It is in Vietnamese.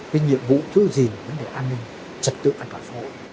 cái nhiệm vụ thứ gì là vấn đề an ninh trật tự an toàn xã hội